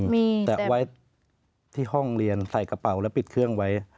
มีแต่ไว้ที่ห้องเรียนใส่กระเป๋าแล้วปิดเครื่องไว้